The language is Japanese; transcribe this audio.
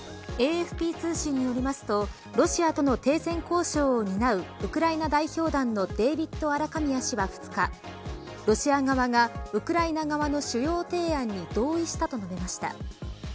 ＡＦＰ通信によりますとロシアとの停戦交渉を担うウクライナ代表団のデービッド・アラカミア氏が２日ロシア側がウクライナ側の主要提案に同意したと述べました。